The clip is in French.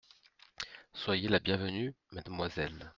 Soyez la bienvenue, mademoiselle.